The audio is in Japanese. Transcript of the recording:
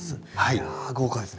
いや豪華ですね。